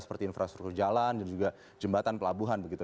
seperti infrastruktur jalan dan juga jembatan pelabuhan begitu